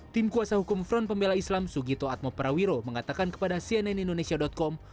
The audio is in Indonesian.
tim kuasa hukum front pembela islam sugito atmo prawiro mengatakan kepada cnn indonesia com